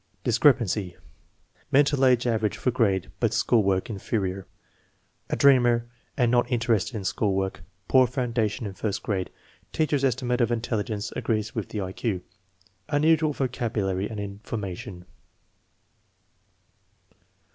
Discrepancy: Mental age average for grade but school work "inferior." A dreamer and not interested in school work. Poor foundation in first grade. Teacher's estimate of intelli gence agrees with the I Q. Unusual vocabulary and in formation.